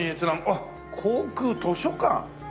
あっ航空図書館？